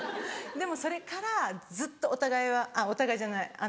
でもそれからずっとお互いはお互いじゃない。